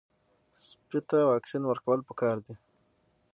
سپي ته واکسین ورکول پکار دي.